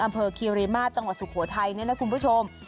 อำเภอคียูรีม่าจังหวัดสุโขทัยเนี่ยนะคุณผู้ชม